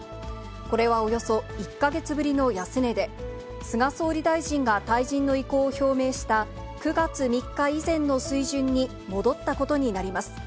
これはおよそ１か月ぶりの安値で、菅総理大臣が退陣の意向を表明した９月３日以前の水準に戻ったことになります。